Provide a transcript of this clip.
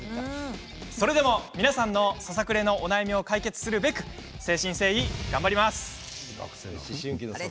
それでも、皆さんのささくれのお悩みを解決するべく誠心誠意、頑張ります！